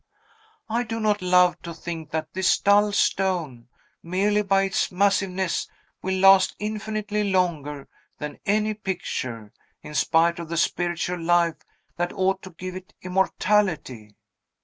I do not love to think that this dull stone, merely by its massiveness, will last infinitely longer than any picture, in spite of the spiritual life that ought to give it immortality!"